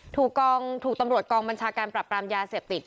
ถูกตำรวจกองบัญชาการปรับปรามยาเสพติด